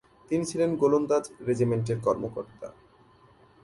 তিনি ছিলেন গোলন্দাজ রেজিমেন্টের কর্মকর্তা।